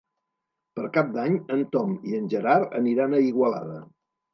Per Cap d'Any en Tom i en Gerard aniran a Igualada.